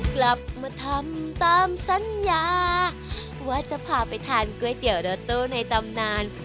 กลับมาทำตามสัญญาว่าจะพาไปทานก๋วยเตี๋ยวรอโต้ในตำนาน